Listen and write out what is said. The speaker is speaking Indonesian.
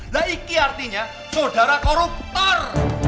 nah itu artinya saudara koruptor